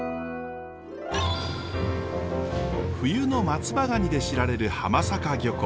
冬の松葉ガニで知られる浜坂漁港。